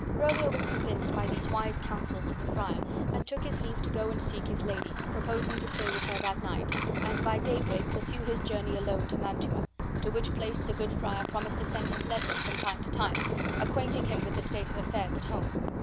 Romeo was convinced by these wise counsels of the friar, and took his leave to go and seek his lady, proposing to stay with her that night, and by daybreak pursue his journey alone to Mantua; to which place the good friar promised to send him letters from time to time, acquainting him with the state of affairs at home.